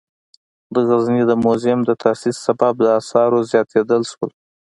د غزني د موزیم د تاسیس سبب د آثارو زیاتیدل شول.